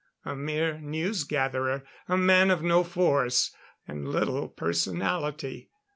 A mere news gatherer. A man of no force, and little personality.